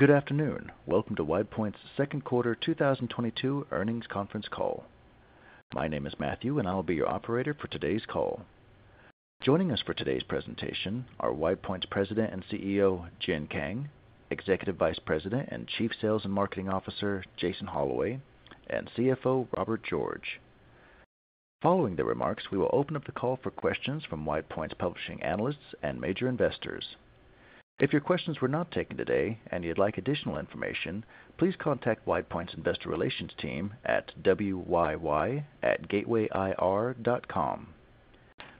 Good afternoon. Welcome to WidePoint's second quarter 2022 earnings conference call. My name is Matthew, and I'll be your operator for today's call. Joining us for today's presentation are WidePoint's President and CEO, Jin Kang, Executive Vice President and Chief Sales and Marketing Officer, Jason Holloway, and CFO, Robert George. Following the remarks, we will open up the call for questions from WidePoint's publishing analysts and major investors. If your questions were not taken today, and you'd like additional information, please contact WidePoint's Investor Relations team at WYY@gateway-grp.com.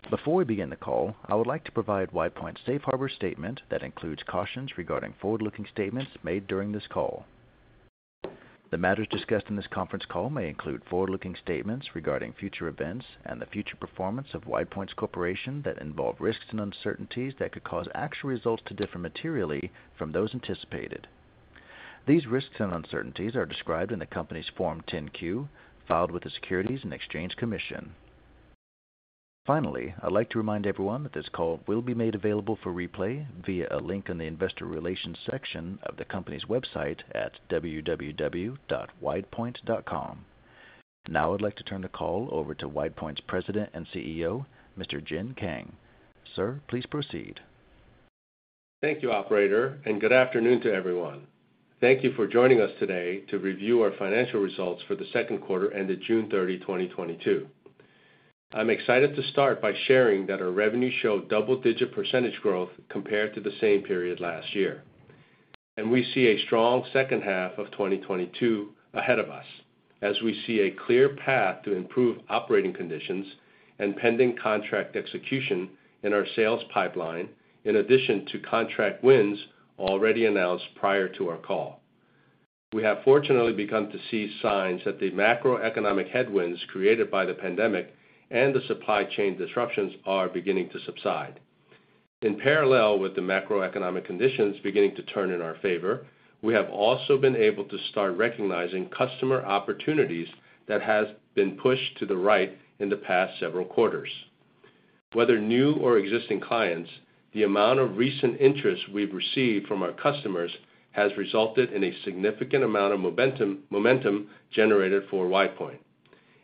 Before we begin the call, I would like to provide WidePoint's safe harbor statement that includes cautions regarding forward-looking statements made during this call. The matters discussed in this conference call may include forward-looking statements regarding future events, and the future performance of WidePoint Corporation that involve risks and uncertainties that could cause actual results to differ materially from those anticipated. These risks and uncertainties are described in the company's Form 10-Q filed with the Securities and Exchange Commission. Finally, I'd like to remind everyone that this call will be made available for replay via a link in the investor relations section of the company's website at www.widepoint.com. Now I'd like to turn the call over to WidePoint's President and CEO, Mr. Jin Kang. Sir, please proceed. Thank you, operator, and good afternoon to everyone. Thank you for joining us today to review our financial results for the second quarter ended June 30, 2022. I'm excited to start by sharing that our revenue showed double digit percentage growth compared to the same period last year. We see a strong second half of 2022 ahead of us as we see a clear path to improve operating conditions, and pending contract execution in our sales pipeline, in addition to contract wins, already announced prior to our call. We have fortunately begun to see signs that the macroeconomic headwinds created by the pandemic, and the supply chain disruptions are beginning to subside. In parallel with the macroeconomic conditions beginning to turn in our favor, we have also been able to start recognizing customer opportunities that have been pushed to the right in the past several quarters. Whether new or existing clients, the amount of recent interest we've received from our customers has resulted in a significant amount of momentum generated for WidePoint.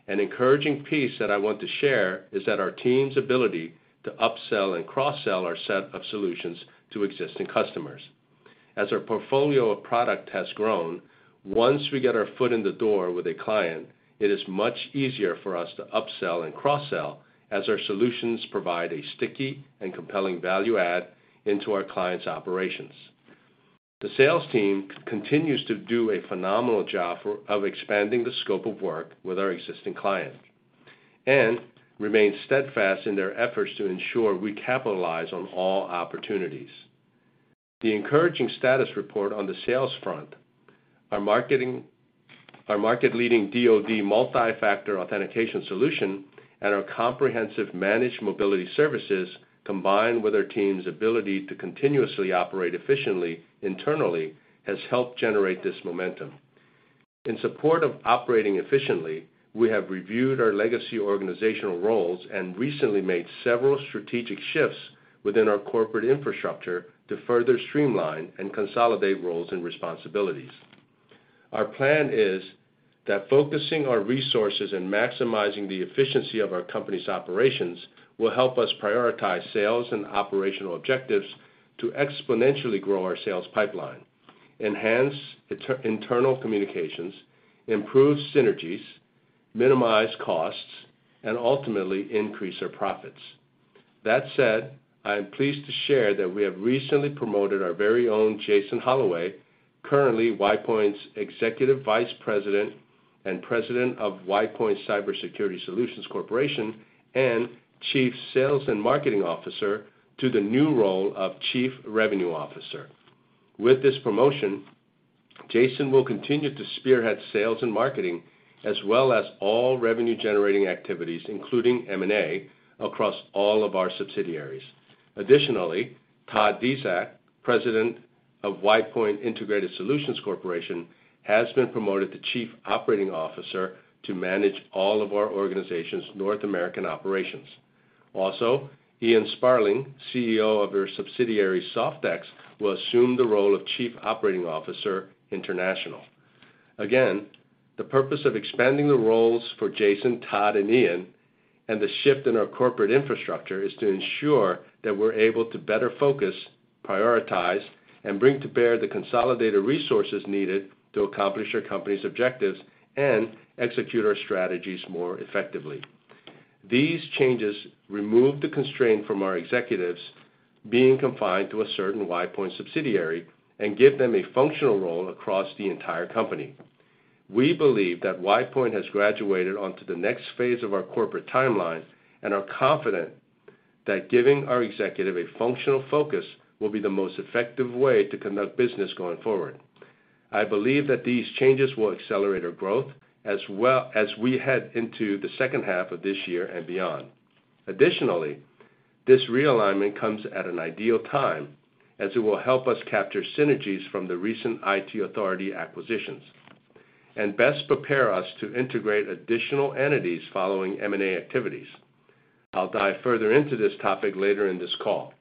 An encouraging piece that I want to share, is that our team's ability to upsell and cross-sell our set of solutions to existing customers. As our portfolio of products has grown, once we get our foot in the door with a client, it is much easier for us to upsell and cross-sell, as our solutions provide a sticky and compelling value add into our clients' operations. The sales team continues to do a phenomenal job of expanding the scope of work with our existing clients and, remain steadfast in their efforts to ensure we capitalize on all opportunities. The encouraging status report on the sales front, our market-leading DoD multi-factor authentication solution, and our comprehensive managed mobility services, combined with our team's ability to continuously operate efficiently internally, has helped generate this momentum. In support of operating efficiently, we have reviewed our legacy organizational roles, and recently made several strategic shifts within our corporate infrastructure to further streamline and consolidate roles and responsibilities. Our plan is that focusing our resources and maximizing the efficiency of our company's operations will help us prioritize sales and operational objectives to exponentially grow our sales pipeline, enhance internal communications, improve synergies, minimize costs, and ultimately increase our profits. That said, I am pleased to share that we have recently promoted our very own Jason Holloway, currently WidePoint's Executive Vice President and President of WidePoint Cybersecurity Solutions Corporation and Chief Sales and Marketing Officer, to the new role of Chief Revenue Officer. With this promotion, Jason will continue to spearhead sales and marketing, as well as all revenue-generating activities, including M&A, across all of our subsidiaries. Additionally, Todd Dzyak, President of WidePoint Integrated Solutions Corporation, has been promoted to Chief Operating Officer to manage all of our organization's North American operations. Also, Ian Sparling, CEO of our subsidiary, Soft-ex, will assume the role of Chief Operating Officer, International. Again, the purpose of expanding the roles for Jason, Todd, and Ian and the shift in our corporate infrastructure is to ensure that we're able to better focus, prioritize, and bring to bear the consolidated resources needed to accomplish our company's objectives and execute our strategies more effectively. These changes remove the constraint from our executives being confined to a certain WidePoint subsidiary and give them a functional role across the entire company. We believe that WidePoint has graduated onto the next phase of our corporate timeline and are confident that giving our executive a functional focus will be the most effective way to conduct business going forward. I believe that these changes will accelerate our growth as well, as we head into the second half of this year and beyond. Additionally, this realignment comes at an ideal time, as it will help us capture synergies from the recent IT Authorities acquisitions and best prepare us to integrate additional entities following M&A activities. I'll dive further into this topic later in this call.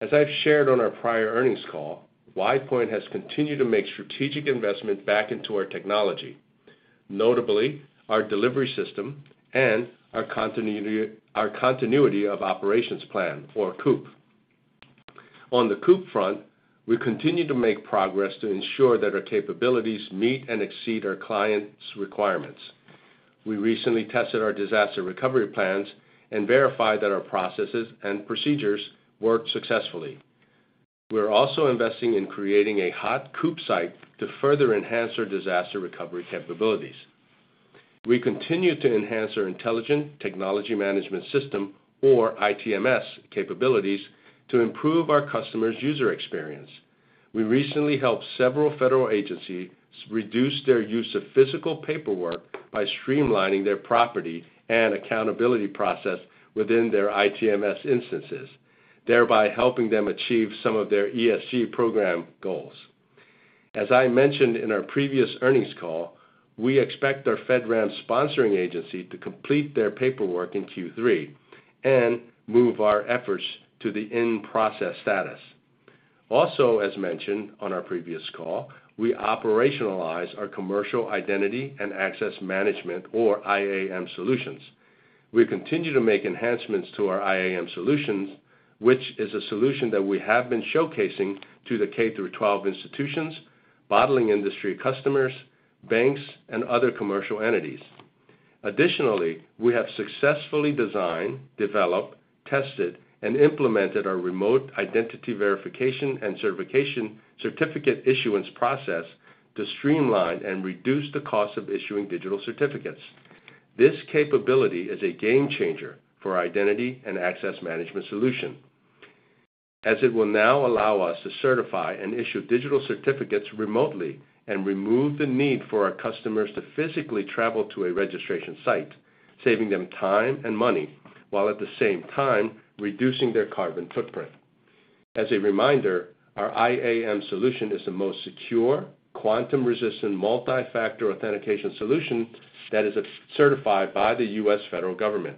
As I've shared on our prior earnings call, WidePoint has continued to make strategic investment back into our technology, notably our delivery system and our continuity of operations plan or COOP. On the COOP front, we continue to make progress to ensure that our capabilities meet and exceed our clients' requirements. We recently tested our disaster recovery plans and verified that our processes and procedures worked successfully. We're also investing in creating a hot COOP site to further enhance our disaster recovery capabilities. We continue to enhance our intelligent technology management system or, ITMS capabilities to improve our customers' user experience. We recently helped several federal agencies reduce their use of physical paperwork by streamlining their property and accountability process within their ITMS instances, thereby helping them achieve some of their ESG program goals. As I mentioned in our previous earnings call, we expect our FedRAMP sponsoring agency to complete their paperwork in Q3, and move our efforts to the in-process status. Also, as mentioned on our previous call, we operationalize our commercial identity and access management or IAM solutions. We continue to make enhancements to our IAM solutions, which is a solution that we have been showcasing to the K-12 institutions, bottling industry customers, banks, and other commercial entities. Additionally, we have successfully designed, developed, tested, and implemented our remote identity verification and certificate issuance process to streamline, and reduce the cost of issuing digital certificates. This capability is a game changer for identity, and access management solution, as it will now allow us to certify and issue digital certificates remotely, and remove the need for our customers to physically travel to a registration site, saving them time and money, while at the same time reducing their carbon footprint. As a reminder, our IAM solution is the most secure, quantum-resistant, multi-factor authentication solution that is certified by the US federal government.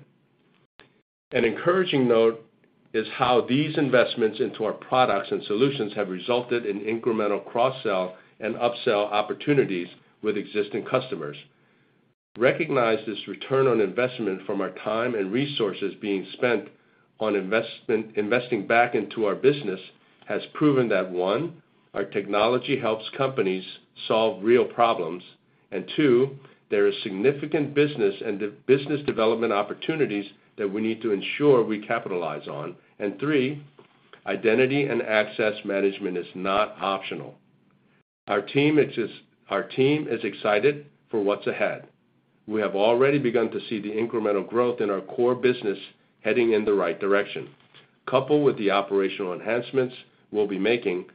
An encouraging note is how these investments into our products and solutions have resulted in incremental cross-sell and upsell opportunities with existing customers. Recognize this return on investment from our time and resources being spent on investing back into our business has proven that, one, our technology helps companies solve real problems, and two, there is significant business development opportunities that we need to ensure we capitalize on, and three, identity and access management is not optional. Our team is excited for what's ahead. We have already begun to see the incremental growth in our core business heading in the right direction. Coupled with the operational enhancements we'll be making,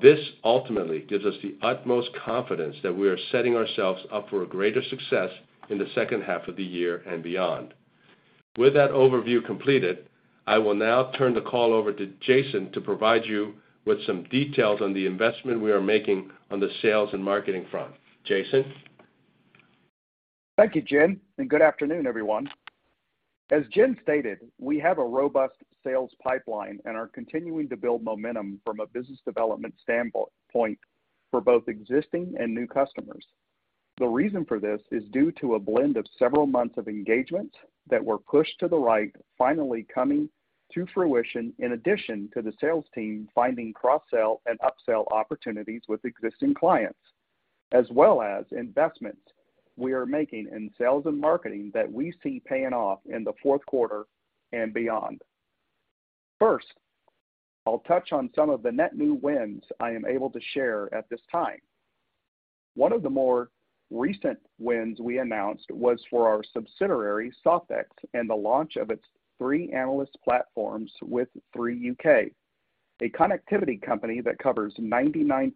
this ultimately gives us the utmost confidence that we are setting ourselves up for greater success in the second half of the year and beyond. With that overview completed, I will now turn the call over to Jason to provide you with some details on the investment we are making on the sales and marketing front. Jason? Thank you, Jin, and good afternoon, everyone. As Jin stated, we have a robust sales pipeline and are continuing to build momentum from a business development standpoint for both existing and new customers. The reason for this is due to a blend of several months of engagements that were pushed to the right, finally coming to fruition, in addition to the sales team finding cross-sell and upsell opportunities with existing clients, as well as investments we are making in sales and marketing, that we see paying off in the fourth quarter and beyond. First, I'll touch on some of the net new wins I am able to share at this time. One of the more recent wins we announced was for our subsidiary, Soft-ex, and the launch of its Three Analyst platforms with Three UK, a connectivity company that covers 99%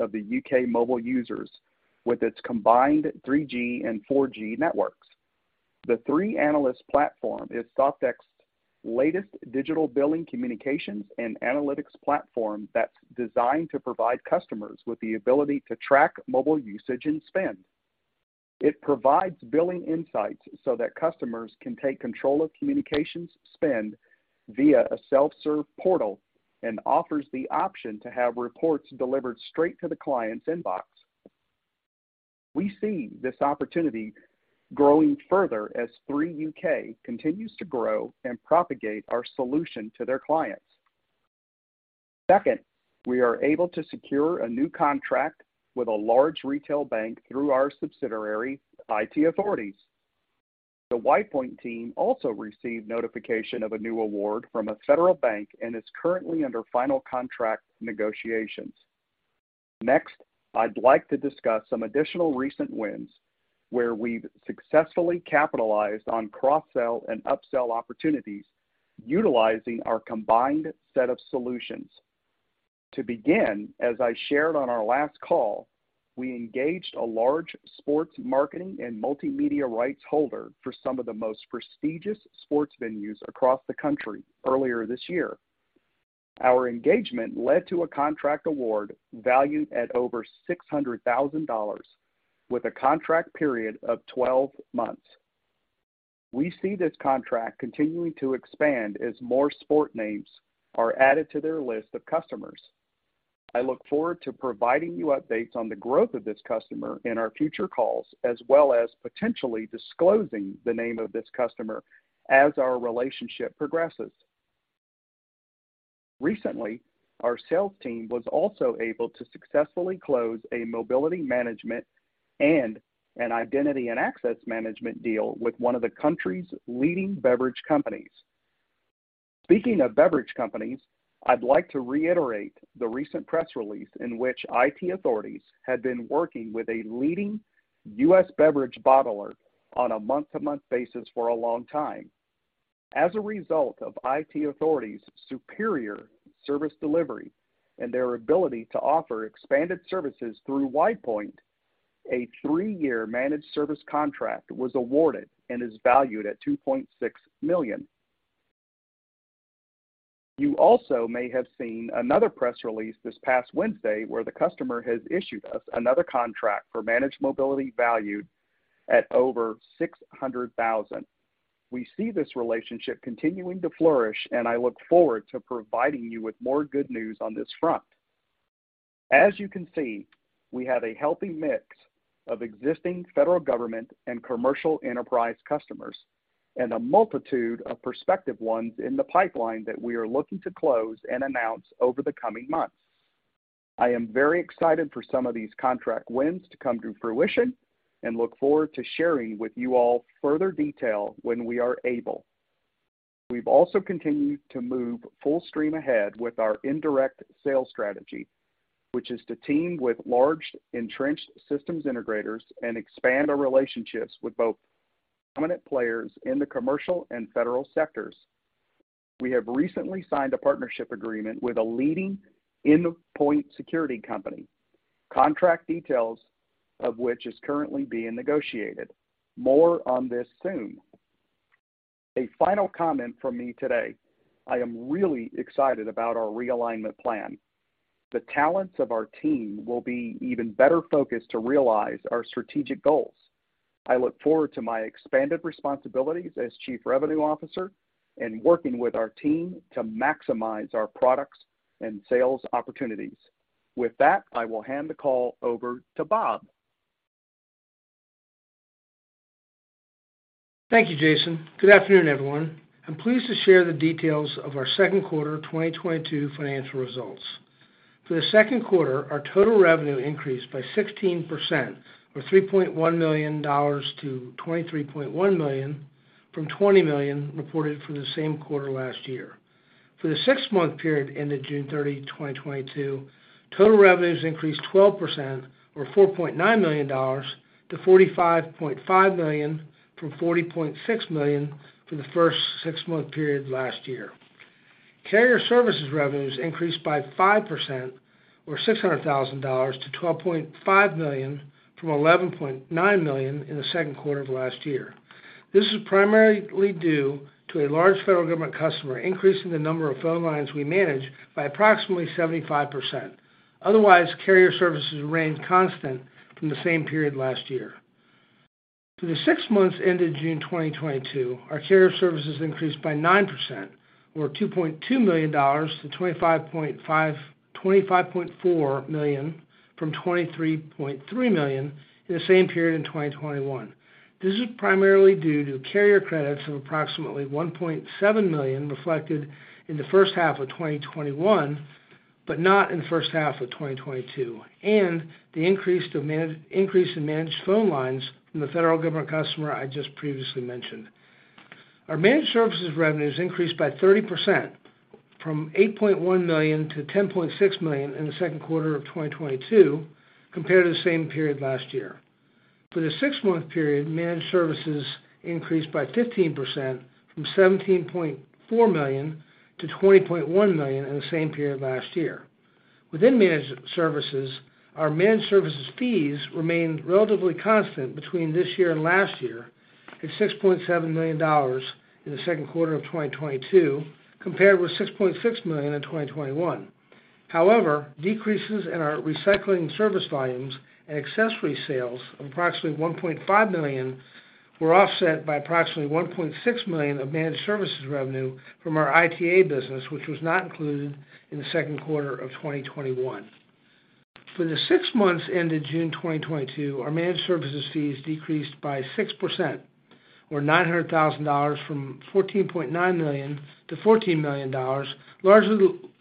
of the UK mobile users with its combined 3G and 4G networks. The Three Analyst platform is Soft-ex's latest digital billing communications and analytics platform that's designed to provide customers with the ability to track mobile usage and spend. It provides billing insights, so that customers can take control of communications spend via a self-serve portal and offers the option to have reports delivered straight to the client's inbox. We see this opportunity growing further as Three UK continues to grow and propagate our solution to their clients. Second, we are able to secure a new contract with a large retail bank through our subsidiary, IT Authorities. The WidePoint team also received notification of a new award from a federal bank and is currently under final contract negotiations. Next, I'd like to discuss some additional recent wins, where we've successfully capitalized on cross-sell and upsell opportunities utilizing our combined set of solutions. To begin, as I shared on our last call, we engaged a large sports marketing and multimedia rights holder for some of the most prestigious sports venues across the country earlier this year. Our engagement led to a contract award valued at over $600,000 with a contract period of 12 months. We see this contract continuing to expand as more sport names are added to their list of customers. I look forward to providing you updates on the growth of this customer in our future calls, as well as potentially disclosing the name of this customer as our relationship progresses. Recently, our sales team was also able to successfully close a mobility management, and an identity and access management deal with one of the country's leading beverage companies. Speaking of beverage companies, I'd like to reiterate the recent press release in which IT Authorities had been working with a leading U.S. beverage bottler on a month-to-month basis for a long time. As a result of IT Authorities' superior service delivery and their ability to offer expanded services through WidePoint, a three-year managed service contract was awarded and is valued at $2.6 million. You also may have seen another press release this past Wednesday where the customer has issued us another contract for managed mobility valued at over $600,000. We see this relationship continuing to flourish, and I look forward to providing you with more good news on this front. As you can see, we have a healthy mix of existing federal government and commercial enterprise customers, and a multitude of prospective ones in the pipeline that we are looking to close and announce over the coming months. I am very excited for some of these contract wins to come to fruition and look forward to sharing with you all further detail when we are able. We've also continued to move full steam ahead with our indirect sales strategy, which is to team with large entrenched systems integrators, and expand our relationships with both prominent players in the commercial and federal sectors. We have recently signed a partnership agreement with a leading endpoint security company, contract details of which is currently being negotiated. More on this soon. A final comment from me today. I am really excited about our realignment plan. The talents of our team will be even better focused to realize our strategic goals. I look forward to my expanded responsibilities as chief revenue officer and working with our team to maximize our products and sales opportunities. With that, I will hand the call over to Bob. Thank you, Jason. Good afternoon, everyone. I'm pleased to share the details of our second quarter 2022 financial results. For the second quarter, our total revenue increased by 16% or $3.1 million to $23.1 million from $20 million reported for the same quarter last year. For the six-month period ended June 30, 2022, total revenues increased 12% or $4.9 million to $45.5 million from $40.6 million for the first six-month period last year. Carrier services revenues increased by five percent or $600,000 to $12.5 million from $11.9 million in the second quarter of last year. This is primarily due to a large federal government customer increasing the number of phone lines we manage by approximately 75%. Otherwise, carrier services remained constant from the same period last year. For the six months ended June 2022, our carrier services increased by nine percent or $2.2 million to $25.4 million from $23.3 million in the same period in 2021. This is primarily due to carrier credits of approximately $1.7 million reflected in the first half of 2021, but not in the first half of 2022, and the increase in managed phone lines from the federal government customer I just previously mentioned. Our managed services revenues increased by 30% from $8.1 million to $10.6 million in the second quarter of 2022 compared to the same period last year. For the six-month period, managed services increased by 15% from $17.4 million to $20.1 million in the same period last year. Within managed services, our managed services fees remained relatively constant between this year and last year at $6.7 million in the second quarter of 2022, compared with $6.6 million in 2021. However, decreases in our recycling service volumes and accessory sales of approximately $1.5 million were offset by approximately $1.6 million of managed services revenue from our IT Authorities business, which was not included in the second quarter of 2021. For the six months ended June 2022, our managed services fees decreased by six percent or $900,000 from $14.9 million to $14 million,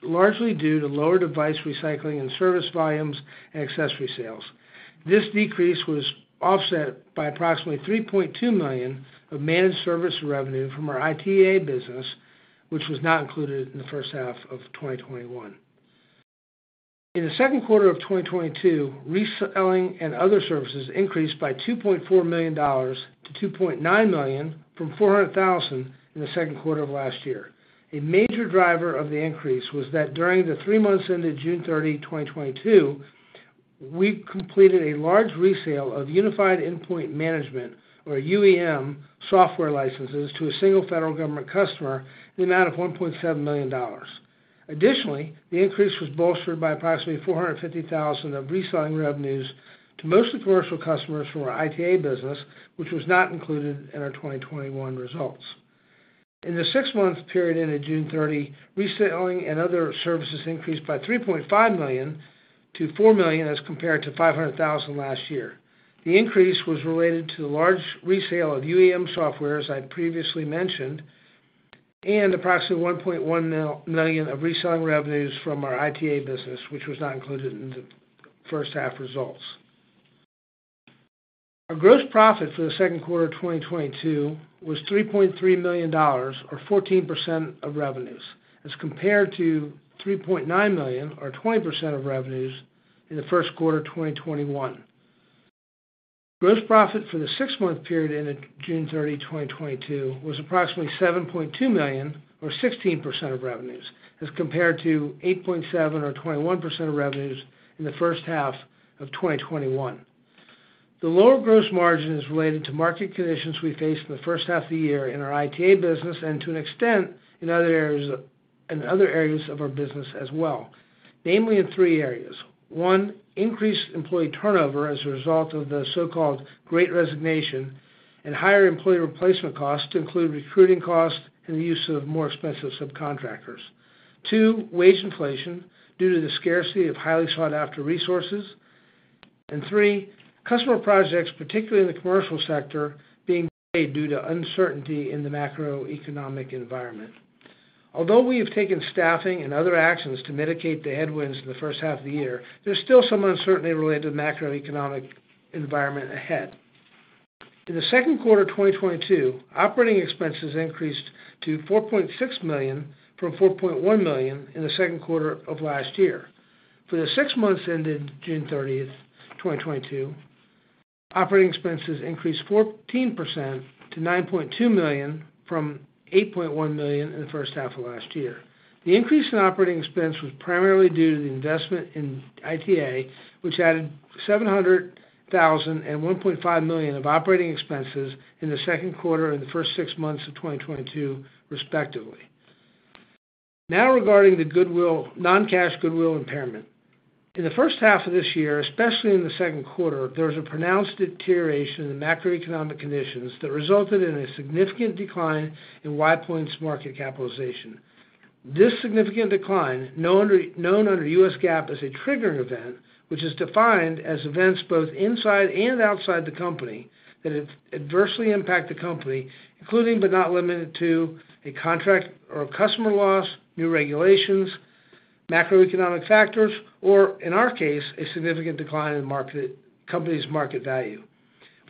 largely due to lower device recycling and service volumes and accessory sales. This decrease was offset by approximately $3.2 million of managed service revenue from our ITA business, which was not included in the first half of 2021. In the second quarter of 2022, reselling and other services increased by $2.4 million to $2.9 million from $400,000 in the second quarter of last year. A major driver of the increase was that during the three months ended June 30, 2022, we completed a large resale of Unified Endpoint Management, or UEM, software licenses to a single federal government customer in the amount of $1.7 million. Additionally, the increase was bolstered by approximately $450,000 of reselling revenues to mostly commercial customers from our ITA business, which was not included in our 2021 results. In the six-month period ended June 30, reselling and other services increased by $3.5 million to $4 million as compared to $500,000 last year. The increase was related to the large resale of UEM software, as I previously mentioned, and approximately $1.1 million of reselling revenues from our ITA business, which was not included in the first half results. Our gross profit for the second quarter of 2022 was $3.3 million, or 14% of revenues, as compared to $3.9 million, or 20% of revenues, in the first quarter of 2021. Gross profit for the six-month period ended June 30, 2022 was approximately $7.2 million, or 16% of revenues, as compared to $8.7 million or 21% of revenues in the first half of 2021. The lower gross margin is related to market conditions we faced in the first half of the year in our IT Authorities business and to an extent, in other areas of our business as well, namely in three areas. One, increased employee turnover as a result of the so-called Great Resignation and higher employee replacement costs to include recruiting costs and the use of more expensive subcontractors. Two, wage inflation due to the scarcity of highly sought-after resources. And three, customer projects, particularly in the commercial sector, being delayed due to uncertainty in the macroeconomic environment. Although we have taken staffing and other actions to mitigate the headwinds in the first half of the year, there's still some uncertainty related to macroeconomic environment ahead. In the second quarter of 2022, operating expenses increased to $4.6 million from $4.1 million in the second quarter of last year. For the six months ended June 30, 2022, operating expenses increased 14% to $9.2 million from $8.1 million in the first half of last year. The increase in operating expense was primarily due to the investment in IT Authorities, which added $700 thousand and $1.5 million of operating expenses in the second quarter and the first six months of 2022 respectively. Now regarding the goodwill, non-cash goodwill impairment. In the first half of this year, especially in the second quarter, there was a pronounced deterioration in the macroeconomic conditions that resulted in a significant decline in WidePoint's market capitalization. This significant decline, known under U.S. GAAP as a triggering event, which is defined as events both inside and outside the company that adversely impact the company, including but not limited to, a contract or a customer loss, new regulations, macroeconomic factors, or in our case, a significant decline in market, company's market value.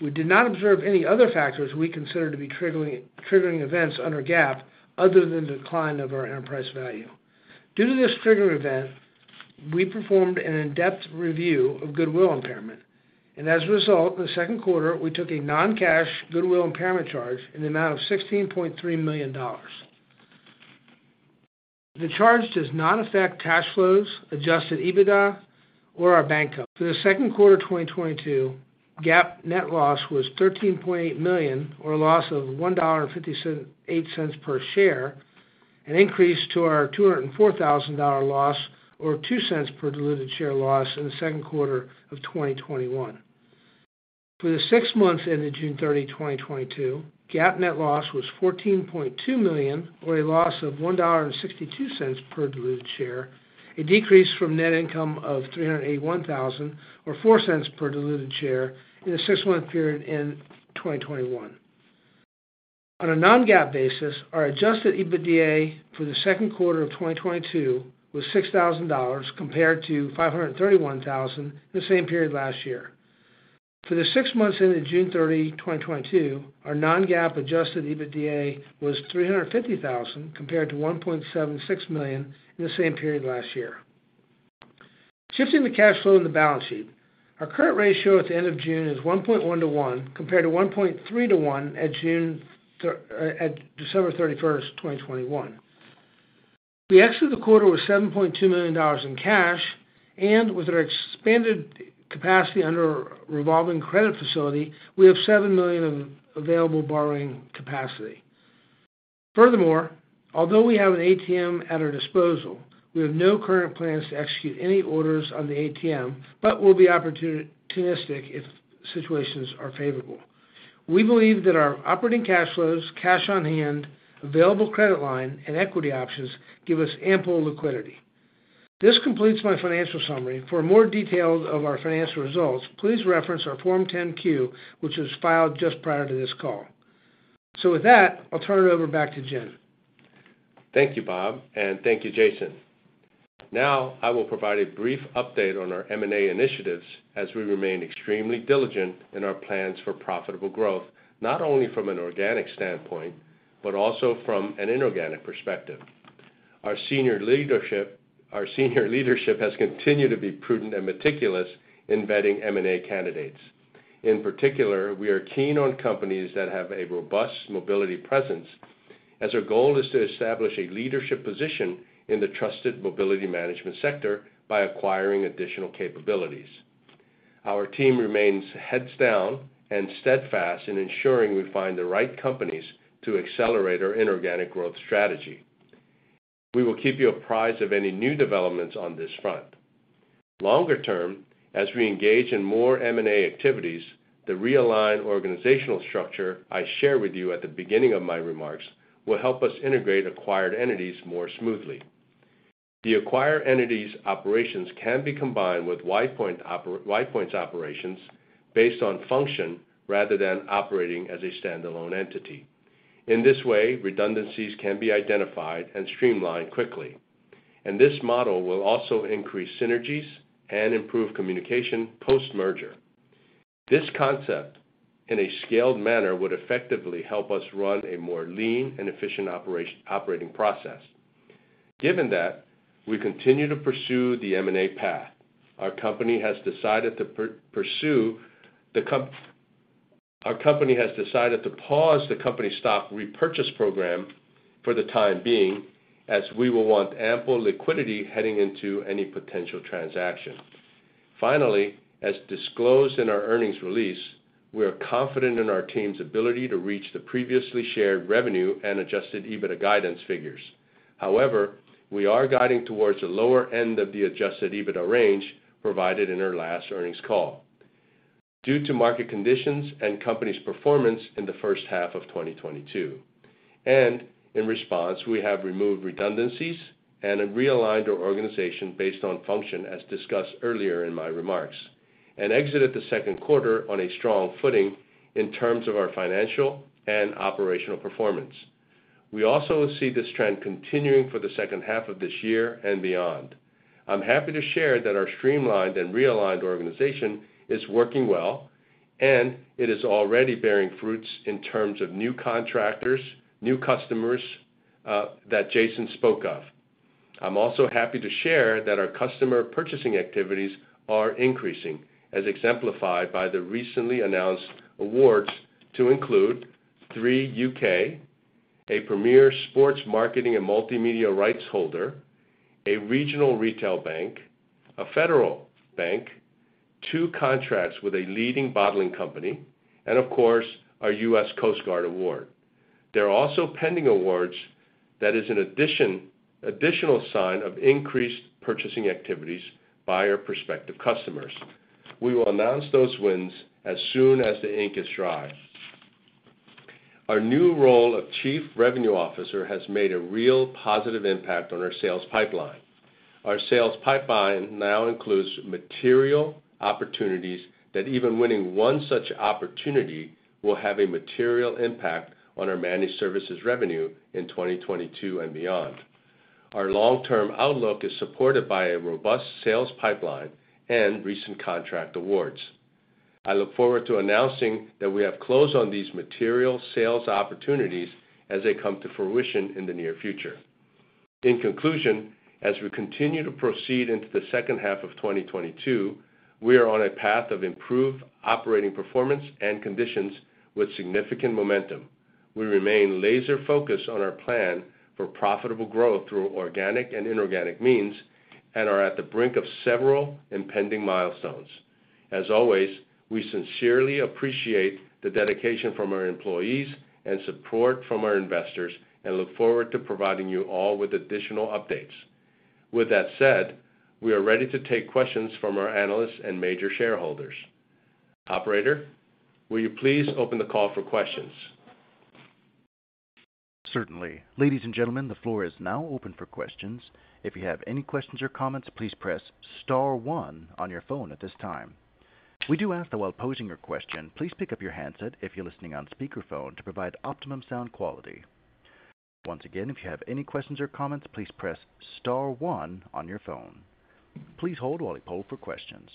We did not observe any other factors we consider to be triggering events under GAAP, other than the decline of our enterprise value. Due to this triggering event, we performed an in-depth review of goodwill impairment, and as a result, in the second quarter, we took a non-cash goodwill impairment charge in the amount of $16.3 million. The charge does not affect cash flows, adjusted EBITDA, or our bank. For the second quarter of 2022, GAAP net loss was $13.8 million or a loss of $1.58 per share, an increase to our $204,000 loss, or two cents per diluted share loss in the second quarter of 2021. For the six months ended June 30, 2022, GAAP net loss was $14.2 million or a loss of $1.62 per diluted share, a decrease from net income of $381,000 or four cents per diluted share in the six-month period in 2021. On a non-GAAP basis, our adjusted EBITDA for the second quarter of 2022 was $6,000 compared to $531,000 in the same period last year. For the six months ended June 30, 2022, our non-GAAP adjusted EBITDA was $350,000 compared to $1.76 million in the same period last year. Shifting to cash flow in the balance sheet. Our current ratio at the end of June is 1.1 to 1, compared to 1.3 to 1 at December 31, 2021. We exited the quarter with $7.2 million in cash, and with our expanded capacity under our revolving credit facility, we have $7 million of available borrowing capacity. Furthermore, although we have an ATM at our disposal, we have no current plans to execute any orders on the ATM, but we'll be opportunistic if situations are favorable. We believe that our operating cash flows, cash on hand, available credit line, and equity options give us ample liquidity. This completes my financial summary. For more details of our financial results, please reference our Form 10-Q, which was filed just prior to this call. With that, I'll turn it over back to Jin. Thank you, Bob, and thank you, Jason. Now, I will provide a brief update on our M&A initiatives as we remain extremely diligent in our plans for profitable growth, not only from an organic standpoint, but also from an inorganic perspective. Our senior leadership has continued to be prudent and meticulous in vetting M&A candidates. In particular, we are keen on companies that have a robust mobility presence. As our goal is to establish a leadership position in the trusted mobility management sector by acquiring additional capabilities. Our team remains heads down and steadfast in ensuring we find the right companies to accelerate our inorganic growth strategy. We will keep you apprised of any new developments on this front. Longer term, as we engage in more M&A activities, the realigned organizational structure I shared with you at the beginning of my remarks will help us integrate acquired entities more smoothly. The acquired entities operations can be combined with WidePoint's operations based on function rather than operating as a standalone entity. In this way, redundancies can be identified and streamlined quickly, and this model will also increase synergies and improve communication post-merger. This concept in a scaled manner would effectively help us run a more lean and efficient operating process. Given that, we continue to pursue the M&A path. Our company has decided to pause the company stock repurchase program for the time being, as we will want ample liquidity heading into any potential transaction. Finally, as disclosed in our earnings release, we are confident in our team's ability to reach the previously shared revenue and adjusted EBITDA guidance figures. However, we are guiding towards the lower end of the adjusted EBITDA range provided in our last earnings call. Due to market conditions and company's performance in the first half of 2022, and in response, we have removed redundancies and have realigned our organization based on function as discussed earlier in my remarks, and exited the second quarter on a strong footing in terms of our financial and operational performance. We also see this trend continuing for the second half of this year and beyond. I'm happy to share that our streamlined and realigned organization is working well, and it is already bearing fruits in terms of new contractors, new customers, that Jason spoke of. I'm also happy to share that our customer purchasing activities are increasing, as exemplified by the recently announced awards to include Three UK, a premier sports marketing and multimedia rights holder, a regional retail bank, a federal bank, two contracts with a leading bottling company and of course, our U.S. Coast Guard award. There are also pending awards that is an additional sign of increased purchasing activities by our prospective customers. We will announce those wins as soon as the ink is dry. Our new role of Chief Revenue Officer has made a real positive impact on our sales pipeline. Our sales pipeline now includes material opportunities that even winning one such opportunity will have a material impact on our managed services revenue in 2022 and beyond. Our long-term outlook is supported by a robust sales pipeline and recent contract awards. I look forward to announcing that we have closed on these material sales opportunities as they come to fruition in the near future. In conclusion, as we continue to proceed into the second half of 2022, we are on a path of improved operating performance and conditions with significant momentum. We remain laser focused on our plan for profitable growth through organic and inorganic means and are at the brink of several impending milestones. As always, we sincerely appreciate the dedication from our employees and support from our investors and look forward to providing you all with additional updates. With that said, we are ready to take questions from our analysts and major shareholders. Operator, will you please open the call for questions? Certainly. Ladies and gentlemen, the floor is now open for questions. If you have any questions or comments, please press star one on your phone at this time. We do ask that while posing your question, please pick up your handset if you're listening on speakerphone to provide optimum sound quality. Once again, if you have any questions or comments, please press star one on your phone. Please hold while we poll for questions.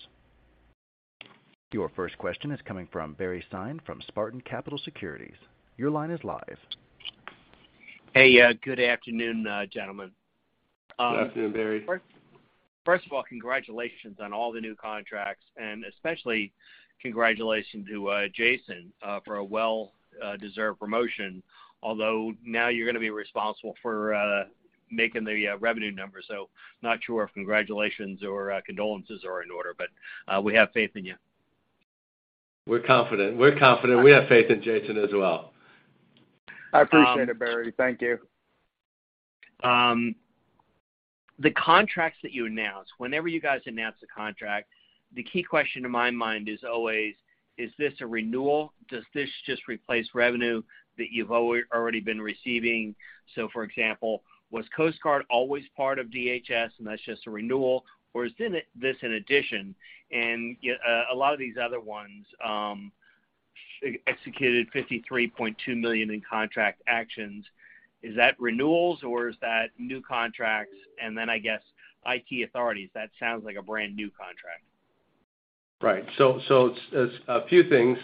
Your first question is coming from Barry Sine from Spartan Capital Securities. Your line is live. Hey, good afternoon, gentlemen. Good afternoon, Barry. First of all, congratulations on all the new contracts, and especially congratulations to Jason for a well deserved promotion. Although, now you're gonna be responsible for making the revenue number. Not sure if congratulations or condolences are in order, but we have faith in you. We're confident. We have faith in Jason as well. Um I appreciate it, Barry. Thank you. The contracts that you announced, whenever you guys announce the contract, the key question in my mind is always, is this a renewal? Does this just replace revenue that you've already been receiving? For example, was Coast Guard always part of DHS, and that's just a renewal, or is this in addition? A lot of these other ones executed $53.2 million in contract actions. Is that renewals or is that new contracts? I guess IT Authorities, that sounds like a brand-new contract. Right. A few things.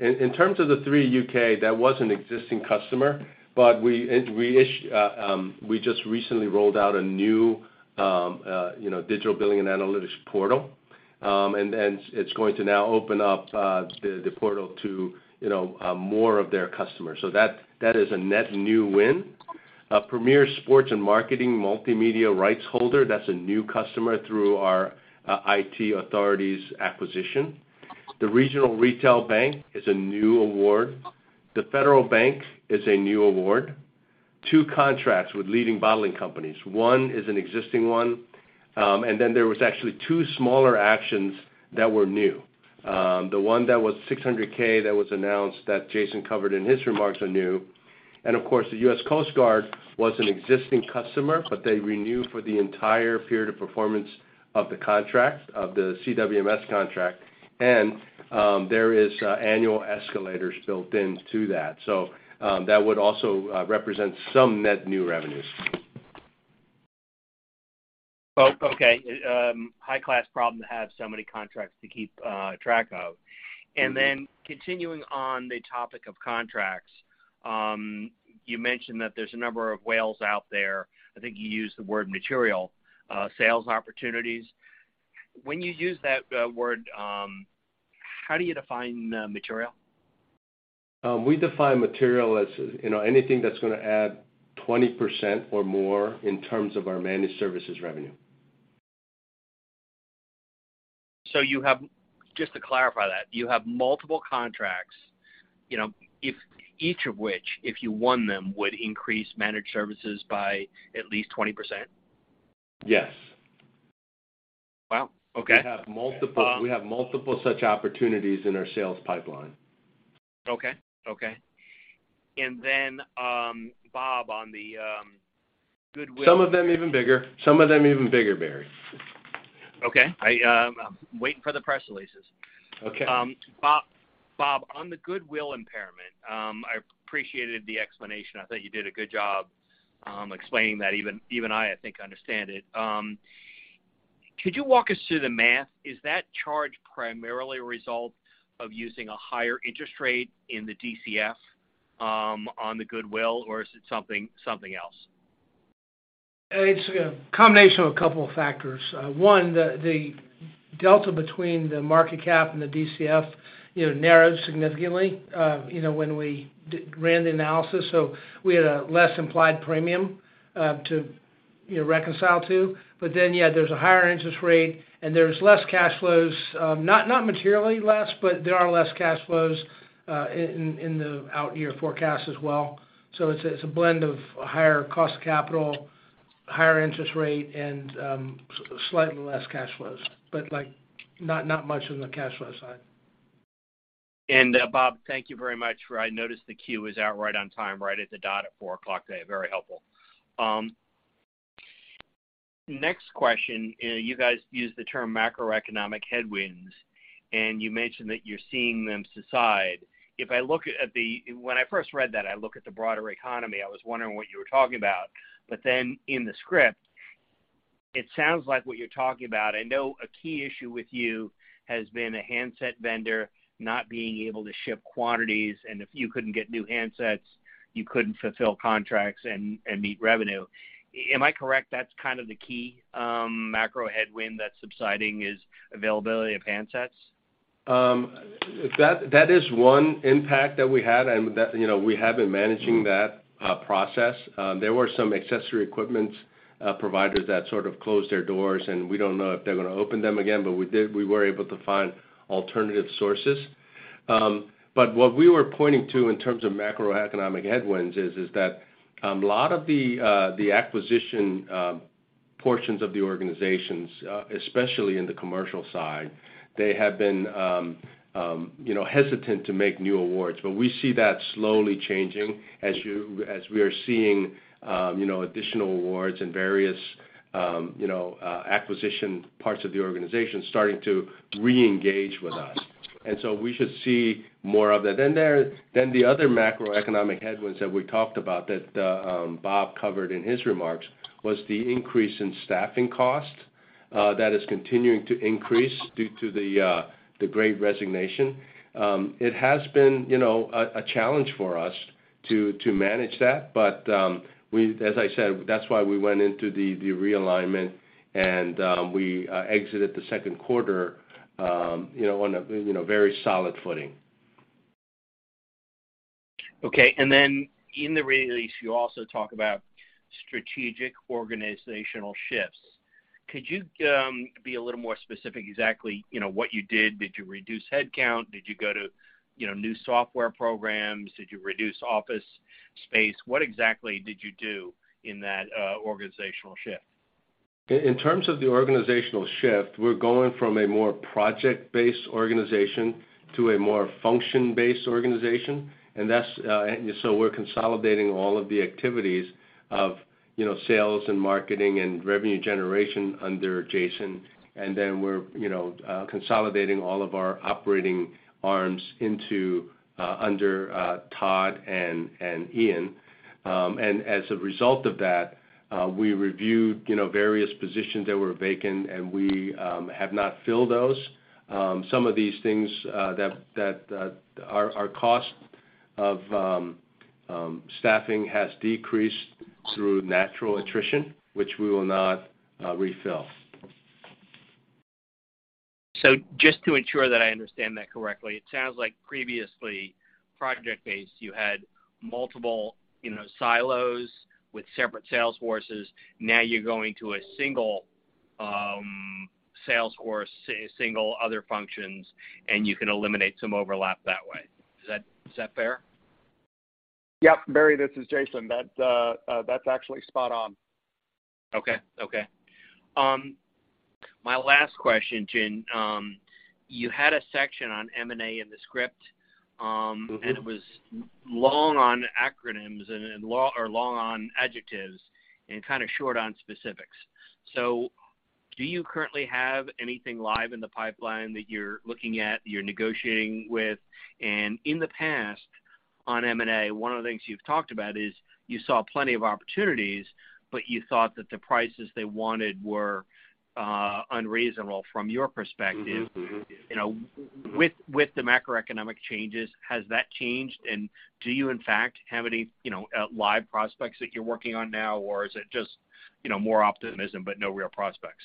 In terms of Three UK, that was an existing customer, but we just recently rolled out a new, you know, digital billing and analytics portal, and then it's going to now open up the portal to, you know, more of their customers. That is a net new win. Premier Sports & Marketing multimedia rights holder, that's a new customer through our IT Authorities acquisition. The regional retail bank is a new award. The federal bank is a new award. Two contracts with leading bottling companies. One is an existing one, and then there was actually two smaller actions that were new. The one that was $600K that was announced that Jason covered in his remarks are new. Of course, the U.S. Coast Guard was an existing customer, but they renewed for the entire period of performance of the contract, of the CWMS contract. There is annual escalators built into that. That would also represent some net new revenues. Oh, okay. High-class problem to have so many contracts to keep track of. Mm-hmm. Continuing on the topic of contracts, you mentioned that there's a number of whales out there. I think you used the word material sales opportunities. When you use that word, how do you define material? We define material as, you know, anything that's gonna add 20% or more in terms of our managed services revenue. Just to clarify that, you have multiple contracts, you know, if each of which, if you won them, would increase managed services by at least 20%? Yes. Wow. Okay. We have multiple. Um- We have multiple such opportunities in our sales pipeline. Okay. Bob, on the goodwill. Some of them even bigger, Barry. Okay. I'm waiting for the press releases. Okay. Bob, on the goodwill impairment, I appreciated the explanation. I thought you did a good job explaining that. Even I think understand it. Could you walk us through the math? Is that charge primarily a result of using a higher interest rate in the DCF on the goodwill, or is it something else? It's a combination of a couple factors. One, the delta between the market cap and the DCF, you know, narrowed significantly, you know, when we ran the analysis, so we had a less implied premium, you know, to reconcile to. There's a higher interest rate, and there's less cash flows, not materially less, but there are less cash flows in the out year forecast as well. It's a blend of a higher cost capital, higher interest rate, and slightly less cash flows, but, like, not much on the cash flow side. Bob, thank you very much. I noticed the queue is out right on time, right on the dot at four o'clock today. Very helpful. Next question, you guys used the term macroeconomic headwinds, and you mentioned that you're seeing them subside. When I first read that, I look at the broader economy, I was wondering what you were talking about. Then in the script, it sounds like what you're talking about. I know a key issue with you has been a handset vendor not being able to ship quantities, and if you couldn't get new handsets, you couldn't fulfill contracts and meet revenue. Am I correct, that's kind of the key macro headwind that's subsiding is availability of handsets? That is one impact that we had, and that, you know, we have been managing that process. There were some accessory equipment providers that sort of closed their doors, and we don't know if they're gonna open them again, but we were able to find alternative sources. What we were pointing to in terms of macroeconomic headwinds is that a lot of the acquisition portions of the organizations, especially in the commercial side, they have been, you know, hesitant to make new awards. We see that slowly changing as we are seeing, you know, additional awards and various, you know, acquisition parts of the organization starting to reengage with us. We should see more of that. The other macroeconomic headwinds that we talked about that, Bob covered in his remarks was the increase in staffing costs, that is continuing to increase due to the Great Resignation. It has been, you know, a challenge for us to manage that, but, as I said, that's why we went into the realignment and, we exited the second quarter, you know, on a very solid footing. Okay. In the release, you also talk about strategic organizational shifts. Could you be a little more specific exactly, you know, what you did? Did you reduce headcount? Did you go to, you know, new software programs? Did you reduce office space? What exactly did you do in that organizational shift? In terms of the organizational shift, we're going from a more project-based organization to a more function-based organization. That's we're consolidating all of the activities of, you know, sales and marketing and revenue generation under Jason. Then we're, you know, consolidating all of our operating arms under Todd and Ian. As a result of that, we reviewed, you know, various positions that were vacant, and we have not filled those. Some of these things that are costs of staffing has decreased through natural attrition, which we will not refill. Just to ensure that I understand that correctly, it sounds like previously, project-based, you had multiple, you know, silos with separate sales forces. Now you're going to a single sales force, single other functions, and you can eliminate some overlap that way. Is that fair? Yep. Barry, this is Jason. That's actually spot on. Okay. My last question, Jin. You had a section on M&A in the script. Mm-hmm. It was long on acronyms and long on adjectives and kinda short on specifics. Do you currently have anything live in the pipeline that you're looking at, you're negotiating with? In the past, on M&A, one of the things you've talked about is you saw plenty of opportunities, but you thought that the prices they wanted were unreasonable from your perspective. Mm-hmm. Mm-hmm. You know, with the macroeconomic changes, has that changed? And do you, in fact, have any, you know, live prospects that you're working on now, or is it just, you know, more optimism but no real prospects?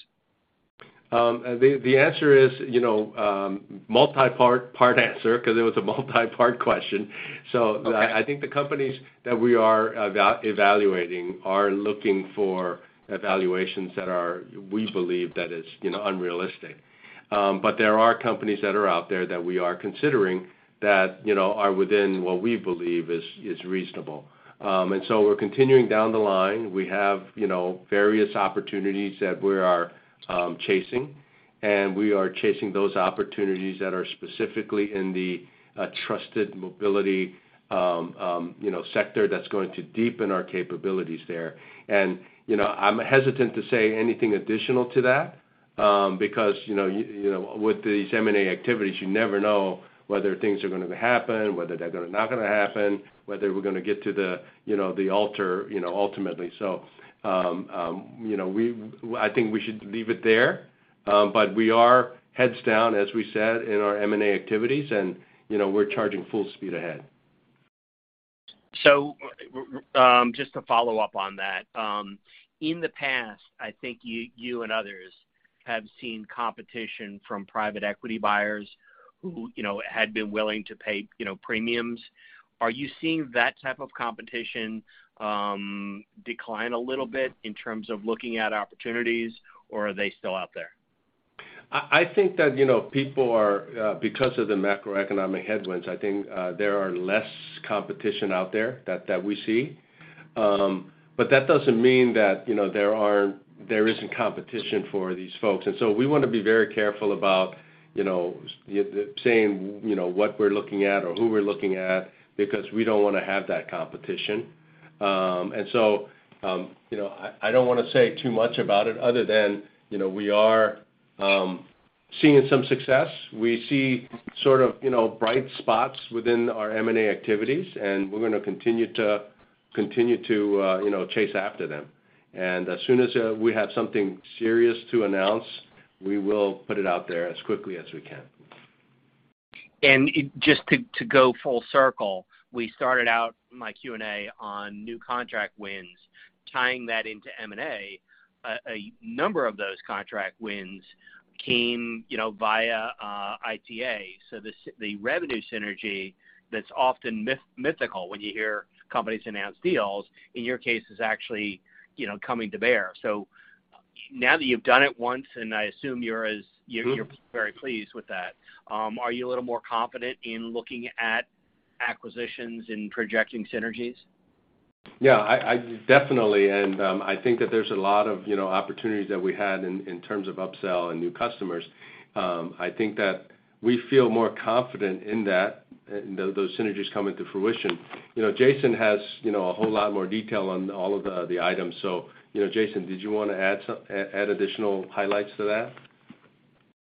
The answer is, you know, multi-part answer because it was a multi-part question. Okay. I think the companies that we are evaluating are looking for evaluations that are. We believe that it's, you know, unrealistic. There are companies that are out there that we are considering that, you know, are within what we believe is reasonable. We're continuing down the line. We have, you know, various opportunities that we are chasing, and we are chasing those opportunities that are specifically in the trusted mobility, you know, sector that's going to deepen our capabilities there. You know, I'm hesitant to say anything additional to that because, you know, with these M&A activities, you never know whether things are gonna happen, whether they're not gonna happen, whether we're gonna get to the, you know, the altar, you know, ultimately. You know, I think we should leave it there. We are heads down, as we said, in our M&A activities, and, you know, we're charging full speed ahead. Just to follow up on that, in the past, I think you and others have seen competition from private equity buyers who, you know, had been willing to pay, you know, premiums. Are you seeing that type of competition decline a little bit in terms of looking at opportunities, or are they still out there? I think that, you know, people are because of the macroeconomic headwinds. I think there are less competition out there that we see. But that doesn't mean that, you know, there isn't competition for these folks. We wanna be very careful about, you know, saying, you know, what we're looking at or who we're looking at because we don't wanna have that competition. I don't wanna say too much about it other than, you know, we are seeing some success. We see sort of, you know, bright spots within our M&A activities, and we're gonna continue to, you know, chase after them. As soon as we have something serious to announce, we will put it out there as quickly as we can. Just to go full circle, we started out my Q&A on new contract wins, tying that into M&A. A number of those contract wins came, you know, via ITA. The revenue synergy that's often mythical when you hear companies announce deals, in your case, is actually, you know, coming to bear. Now that you've done it once, and I assume you're as- Mm-hmm. You're very pleased with that, are you a little more confident in looking at acquisitions and projecting synergies? Yeah. I definitely. I think that there's a lot of, you know, opportunities that we had in terms of upsell and new customers. I think that we feel more confident in that, and those synergies coming to fruition. You know, Jason has, you know, a whole lot more detail on all of the items. You know, Jason, did you want to add additional highlights to that?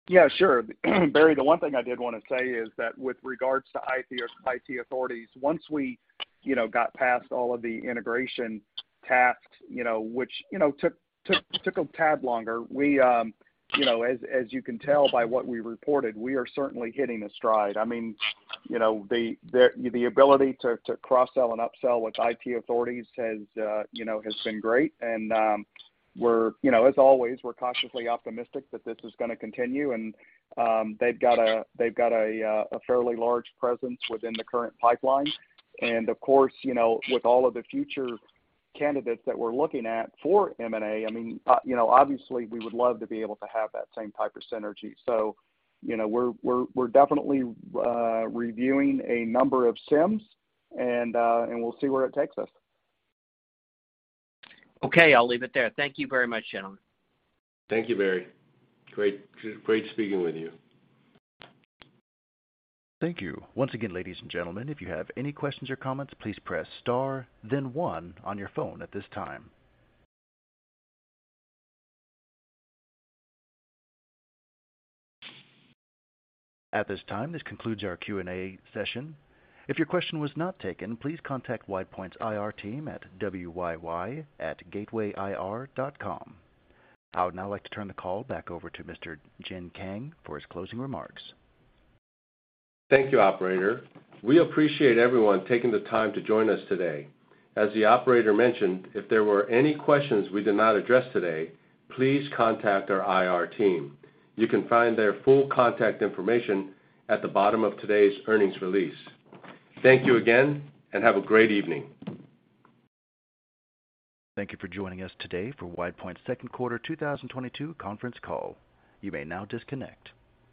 Yeah, sure. Barry, the one thing I did wanna say is that with regards to IT Authorities, once we, you know, got past all of the integration tasks, you know, which, you know, took a tad longer, we, you know, as you can tell by what we reported, we are certainly hitting a stride. I mean, you know, the ability to cross-sell and upsell with IT Authorities has been great and, we're, you know, as always, we're cautiously optimistic that this is gonna continue and, they've got a fairly large presence within the current pipeline. Of course, you know, with all of the future candidates that we're looking at for M&A, I mean, you know, obviously, we would love to be able to have that same type of synergy. You know, we're definitely reviewing a number of CIMs and we'll see where it takes us. Okay. I'll leave it there. Thank you very much, gentlemen. Thank you, Barry. Great speaking with you. Thank you. Once again, ladies and gentlemen, if you have any questions or comments, please press star then one on your phone at this time. At this time, this concludes our Q&A session. If your question was not taken, please contact WidePoint's IR team at WYY@gateway-grp.com. I would now like to turn the call back over to Mr. Jin Kang for his closing remarks. Thank you, operator. We appreciate everyone taking the time to join us today. As the operator mentioned, if there were any questions we did not address today, please contact our IR team. You can find their full contact information at the bottom of today's earnings release. Thank you again, and have a great evening. Thank you for joining us today for WidePoint's second quarter 2022 conference call. You may now disconnect.